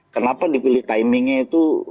kenapa dipilih timingnya itu